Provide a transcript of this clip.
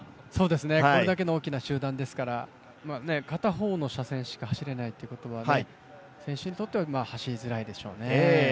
これだけの大きな集団ですから、片方の車線しか走れないということは選手にとっては走りづらいでしょうね。